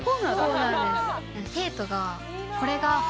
そうなんです。